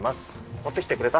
持ってきてくれた？